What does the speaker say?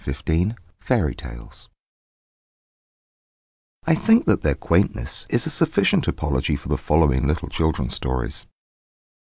FAIRY TALES FAIRY TALES I think that their quaintness is a sufficient apology for the following little children's stories.